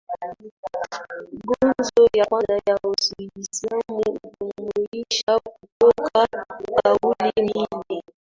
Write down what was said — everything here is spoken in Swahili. nguzo ya kwanza ya uislamu hujumuisha kutoa kauli mbili